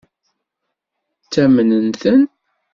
Ttamnen-ten?